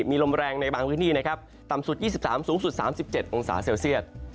มีลมแรงในบางพื้นที่ต่ำสุด๒๓องศาเซียตสูงสุด๓๗องศาเซียต